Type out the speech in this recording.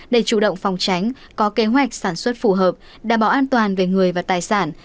để chủ động phòng tránh có kế hoạch sản xuất phù hợp đảm bảo an toàn về người và tài sản